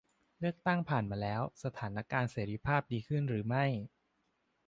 เลือกตั้งผ่านมาแล้ว สถานการณ์เสรีภาพดีขึ้นหรือไม่ ?